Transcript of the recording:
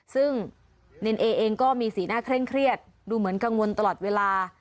ซึ่งเนรนเอเองก็มีสีหน้าเคร่งเครียดดูเหมือนกังวลตลอดเวลา